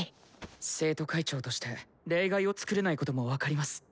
生徒会長として例外を作れないことも分かります。